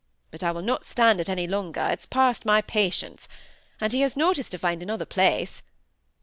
But I will not stand it any longer, it's past my patience. And he has notice to find another place.